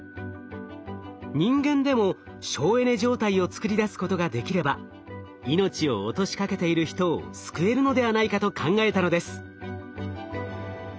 人間でも省エネ状態をつくり出すことができれば命を落としかけている人を救えるのではないかと考えたのです。